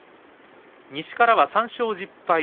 西からは３勝１０敗